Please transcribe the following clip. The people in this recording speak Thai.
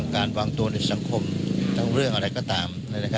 การวางตัวในสังคมทั้งเรื่องอะไรก็ตาม